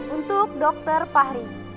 untuk dokter pahri